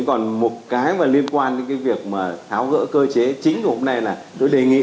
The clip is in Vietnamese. còn một cái liên quan đến việc tháo gỡ cơ chế chính của hôm nay là tôi đề nghị